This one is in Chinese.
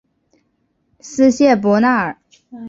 斯谢伯纳尔。